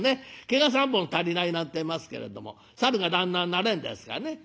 毛が３本足りないなんてえますけれどもサルが旦那になれんですかね」。